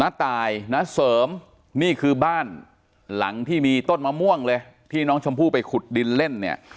ตายน้าเสริมนี่คือบ้านหลังที่มีต้นมะม่วงเลยที่น้องชมพู่ไปขุดดินเล่นเนี่ย